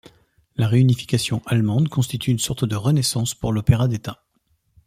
La réunification allemande constitue une sorte de renaissance pour l’opéra d’État.